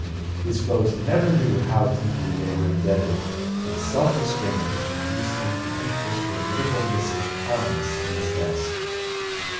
His foes never knew how deeply they were indebted to the self restraint which induced him to keep this formidable missive harmless in his desk.